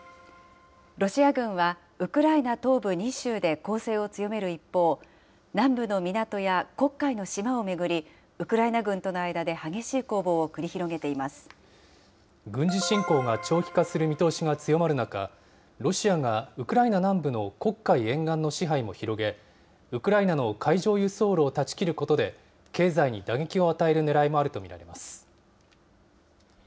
ロシア軍は、ウクライナ東部２州で攻勢を強める一方、南部の港や黒海の島を巡り、ウクライナ軍との間で激しい攻防を繰軍事侵攻が長期化する見通しが強まる中、ロシアがウクライナ南部の黒海沿岸の支配も広げ、ウクライナの海上輸送路を断ち切ることで、経済に打撃を与えるねらいもあると見られます。